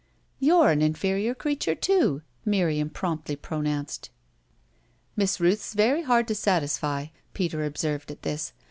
"You're an inferior creature too," Miriam promptly pronounced. "Miss Rooth's very hard to satisfy," Peter observed at this.